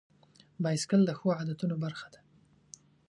بایسکل د ښو عادتونو برخه ده.